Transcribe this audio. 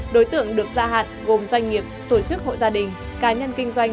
đối tượng được gia hạn gồm doanh nghiệp tổ chức hộ gia đình cá nhân kinh doanh